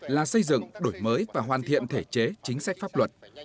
là xây dựng đổi mới và hoàn thiện thể chế chính sách pháp luật